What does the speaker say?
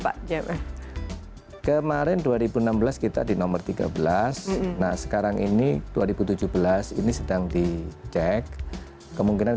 pak j kemarin dua ribu enam belas kita di nomor tiga belas nah sekarang ini dua ribu tujuh belas ini sedang dicek kemungkinan